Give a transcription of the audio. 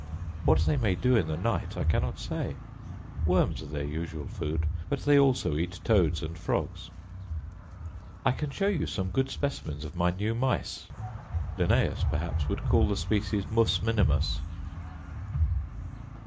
What they may do in the night I cannot say. Worms are their usual food, but they also eat toads and frogs. I can show you some good specimens of my new mice. Linnaeus, perhaps, would call the species mus minimus.